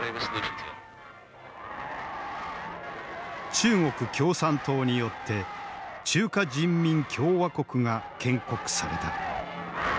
中国共産党によって中華人民共和国が建国された。